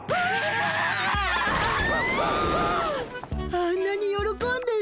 あんなによろこんでる。